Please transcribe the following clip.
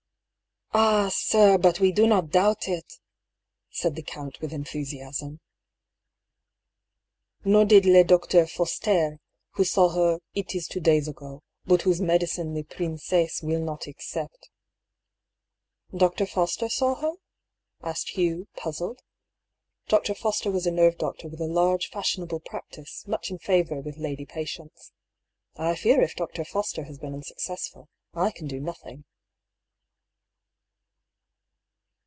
" Ah ! sir ; but we do not doubt it," said the count with enthusiasm. " Nor did le Docteur Fosterre, who saw her it is two days ago, but whose medicine the prin cesse will not accept." " Dr. Foster saw her?" asked Hugh, puzzled. (Dr. Foster was a nerve doctor with a large fashionable prac tice, much in favour with lady patients.) " I fear if Dr. Foster has been unsuccessful, I can do nothing."